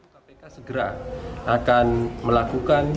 kpk segera akan melakukan